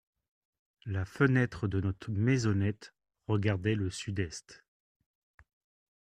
La fenêtre de notre maisonnette regardait le sud-est.